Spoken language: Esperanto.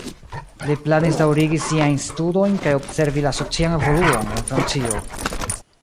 Li planis daŭrigi siajn studojn kaj observi la socian evoluon en Francio.